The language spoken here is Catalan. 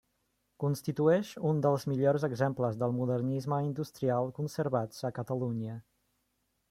Constitueix un dels millors exemples del modernisme industrial conservats a Catalunya.